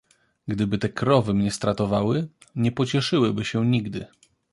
"Gdyby te krowy mnie stratowały, nie pocieszyłby się nigdy."